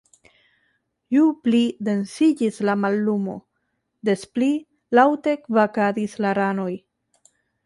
Ju pli densiĝis la mallumo, des pli laŭte kvakadis la ranoj.